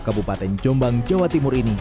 kabupaten jombang jawa timur ini